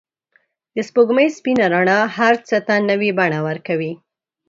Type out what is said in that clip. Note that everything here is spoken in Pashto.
د سپوږمۍ سپین رڼا هر څه ته نوی بڼه ورکوي.